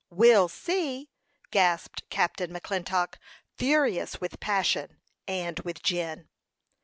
"We'll see!" gasped Captain McClintock, furious with passion and with gin.